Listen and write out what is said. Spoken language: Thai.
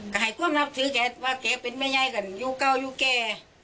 ก็ให้ความนับถือแกว่าแกเป็นแม่ยายกันอยู่เก่าอยู่แก่